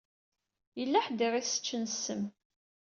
Yella ḥedd i ɣ-iseččen ssem.